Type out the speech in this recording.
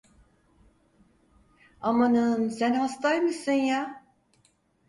Amanın, sen hastaymışsın ya!